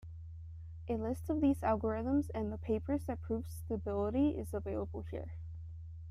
A list of these algorithms and the papers that proved stability is available here.